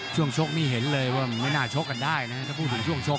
ชกนี่เห็นเลยว่าไม่น่าชกกันได้นะถ้าพูดถึงช่วงชก